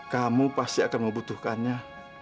kamu pasti akan membutuhkannya